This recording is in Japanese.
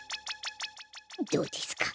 どうですか？